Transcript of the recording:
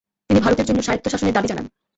তিনি ভারতের জন্য স্বায়ত্তশাসনের দাবি জানান।